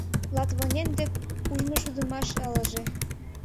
Лотвонен дек ужмышудымаш ылыже.